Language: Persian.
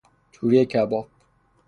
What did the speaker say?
توری کباب